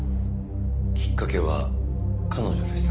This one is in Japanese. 「きっかけは彼女でした」